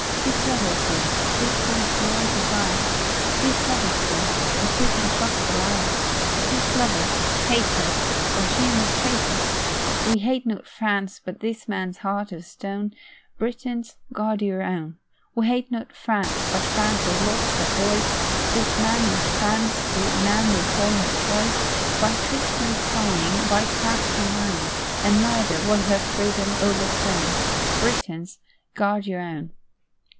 Peace lovers we sweet Peace we all desire Peace lovers we but who can trust a liar? Peace lovers, haters Of shameless traitors, We hate not France, but this man's heart of stone. Britons, guard your own. We hate not France, but France has lost her voice This man is France, the man they call her choice. By tricks and spying, By craft and lying, And murder was her freedom overthrown. Britons, guard your own.